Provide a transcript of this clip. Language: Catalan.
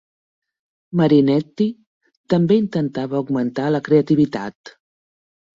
Marinetti també intentava augmentar la creativitat.